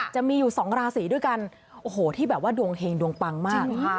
จะมีอยู่สองราศีด้วยกันโอ้โหที่แบบว่าดวงเฮงดวงปังมาก